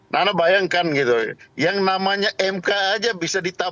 nana bayangkan gitu yang namanya mk aja bisa ditawarkan